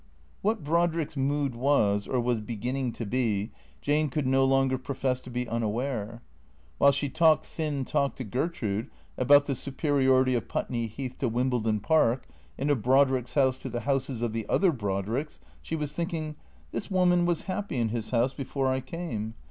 What Brodrick's mood was, or was beginning to be, Jane could no longer profess to be unaware. While she talked thin talk to Gertrude about the superiority of Putney Heath to Wim bledon Park, and of Brodrick's bouse to the houses of the other Brodricks, she was thinking, " This woman was happy in his house before I came.